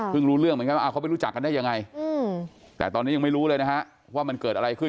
รู้เรื่องเหมือนกันว่าเขาไปรู้จักกันได้ยังไงแต่ตอนนี้ยังไม่รู้เลยนะฮะว่ามันเกิดอะไรขึ้น